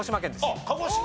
あっ鹿児島！